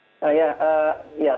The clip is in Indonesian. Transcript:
ya saya masih selesai